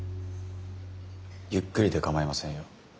ゆっくりで構いませんよ。